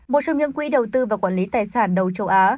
một trong những quỹ đầu tư và quản lý tài sản đầu châu á